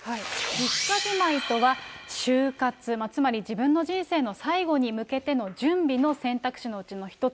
実家じまいとは、終活つまり、自分の人生の最後に向けての準備の選択肢のうちの一つ。